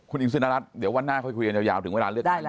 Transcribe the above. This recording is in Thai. คุณหญิงสุนรัฐเดี๋ยววันหน้าค่อยคุยกันยาวถึงเวลาเลือกได้แล้ว